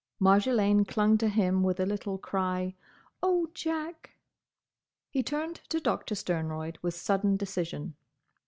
Marjolaine clung to him with a little cry. "Oh, Jack!" He turned to Doctor Sternroyd with sudden decision.